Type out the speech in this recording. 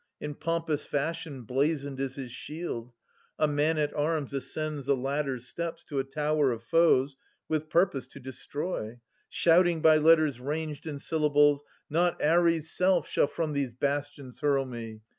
In pompous fashion blazoned is his shield : A man at arms ascends a ladder's steps To a tower of foes, with purpose to destroy, Shouting by letters ranged in syllables, * Not Ares* self shall from these bastions hurl me